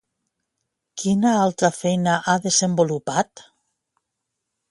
Quina altra feina ha desenvolupat?